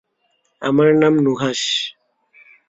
আমার নাম নুহাশ।